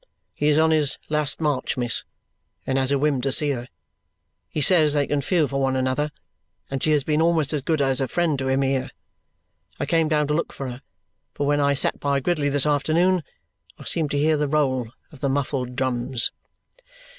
He is on his last march, miss, and has a whim to see her. He says they can feel for one another, and she has been almost as good as a friend to him here. I came down to look for her, for when I sat by Gridley this afternoon, I seemed to hear the roll of the muffled drums."